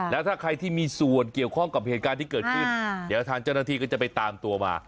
แล้วถ้าใครที่มีส่วนเกี่ยวข้องกับเหตุการณ์ที่เกิดขึ้นเดี๋ยวทางเจ้าหน้าที่ก็จะไปตามตัวมา